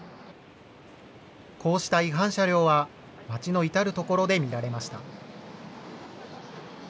こうした違反車両は、街の至る所で見られました。